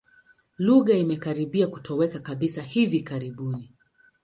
Lugha imekaribia kutoweka kabisa hivi karibuni.